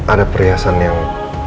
ada perhiasan yang